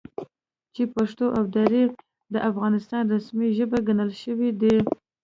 چې پښتو او دري د افغانستان رسمي ژبې ګڼل شوي دي،